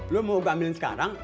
lo mau gue ambilin sekarang